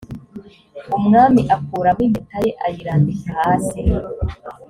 umwami akuramo impeta ye ayirambika hasi